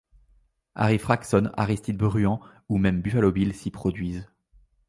Harry Fragson, Aristide Bruant ou même Buffalo Bill s'y produisent.